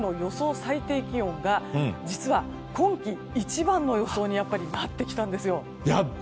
最低気温が実は、今季一番の予想になってきたんです。